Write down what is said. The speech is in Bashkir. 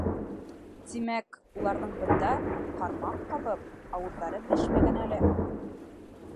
Тимәк, уларҙың бында, ҡармаҡ ҡабып, ауыҙҙары бешмәгән әле.